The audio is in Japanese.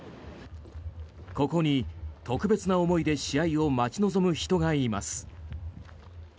ここに特別な思いで試合を待ち望む人がいます。